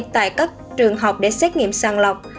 tại các trường học để xét nghiệm sàng lọc